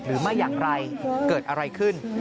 หรือไม่อย่างไรเกิดอะไรขึ้น